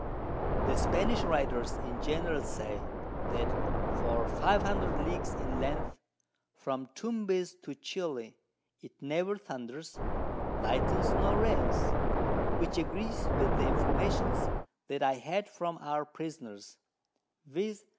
_] The Spanish Writers in general say, that for 500 Leagues in Length, from Tumbez to Chili, it never thunders, lightens nor rains, which agrees with the Informations that I had from our Prisoners, _viz.